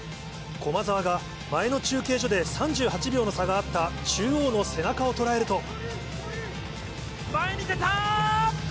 駒澤が前の中継所で３８秒の差があった中央の背中をとらえる前に出た。